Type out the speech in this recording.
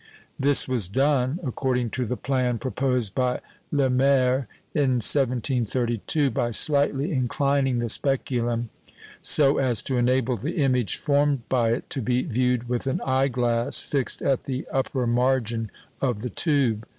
This was done according to the plan proposed by Lemaire in 1732 by slightly inclining the speculum so as to enable the image formed by it to be viewed with an eye glass fixed at the upper margin of the tube.